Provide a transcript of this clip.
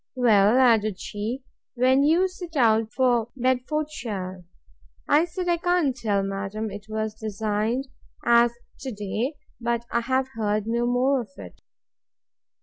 Well, added she, when do you set out for Bedfordshire?—I said, I can't tell, madam; it was designed as to day, but I have heard no more of it.